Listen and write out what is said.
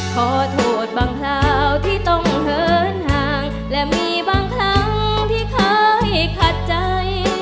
ขอโทษบางคราวที่ต้องเหินห่างและมีบางครั้งที่เคยขัดใจ